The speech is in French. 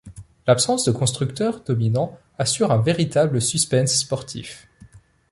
L'absence de constructeur dominant assure un véritable suspense sportif.